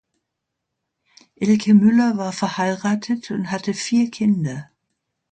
Elke Müller war verheiratet und hatte vier Kinder.